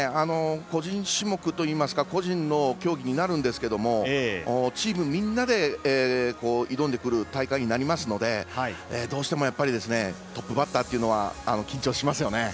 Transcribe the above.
個人種目というか個人競技になりますがチームみんなで挑んでくる大会になりますのでどうしてもトップバッターというのは緊張しますよね。